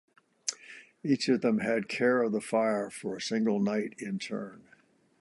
Each of them had care of the fire for a single night in turn.